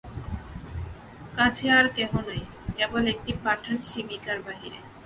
কাছে আর কেহ নাই, কেবল একটি পাঠান শিবিকার বাহিরে।